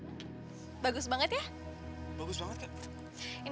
ini bukan punya aku tapi punya morgan